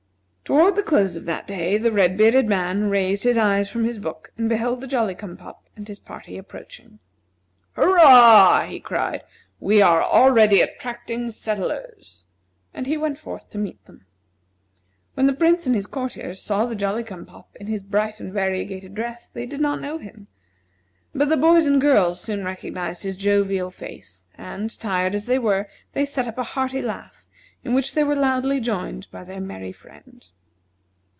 Toward the close of that day the red bearded man raised his eyes from his book and beheld the Jolly cum pop and his party approaching. "Hurrah!" he cried, "we are already attracting settlers!" And he went forth to meet them. When the prince and the courtiers saw the Jolly cum pop in his bright and variegated dress, they did not know him; but the boys and girls soon recognized his jovial face, and, tired as they were, they set up a hearty laugh, in which they were loudly joined by their merry friend.